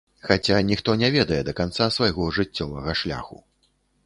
Хаця ніхто не ведае да канца свайго жыццёвага шляху.